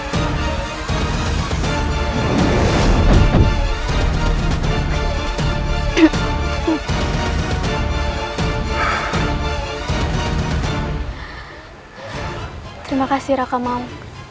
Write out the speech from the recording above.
terima kasih raka mam